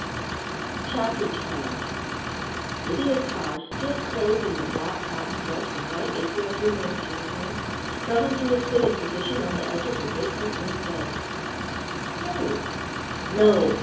CHAPTER TWELVE Lydia Carr, still clothed in the black cotton dress and white apron of her maid's uniform, struggled to a sitting position on the edge of her basement room bed. "No, no!